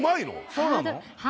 そうなの？